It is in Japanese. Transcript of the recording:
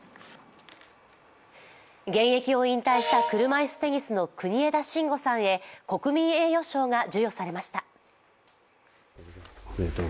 現役を引退した車いすテニスの国枝慎吾へ国民栄誉賞が授与されました。